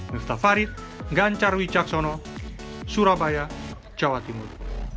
miftah farid gan carwi caksono surabaya jawa timur